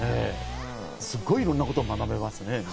すごい、いろんなことが学べますね。